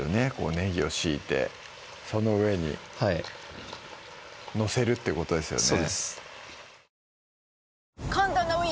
ねぎを敷いてその上にはい載せるってことですよね